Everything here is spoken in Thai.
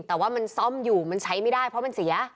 แต่ว่ามันซ่อมอยู่มันใช้ไม่ได้เพราะมันเสีย